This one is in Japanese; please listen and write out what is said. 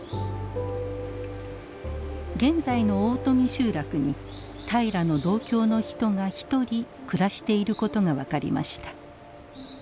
現在の大富集落に平良の同郷の人が１人暮らしていることが分かりました。